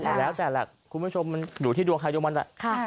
แล้วแต่ละคุณผู้ชมมันหนูที่ดวงไทยดวงมันละ